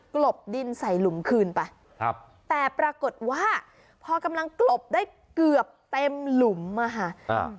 ลบดินใส่หลุมคืนไปครับแต่ปรากฏว่าพอกำลังกลบได้เกือบเต็มหลุมอ่ะค่ะอ่า